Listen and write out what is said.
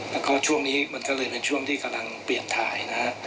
แล้วก็ช่วงนี้มันก็เลยเป็นช่วงที่กำลังเปลี่ยนถ่ายนะฮะ